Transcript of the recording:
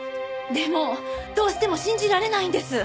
でもどうしても信じられないんです。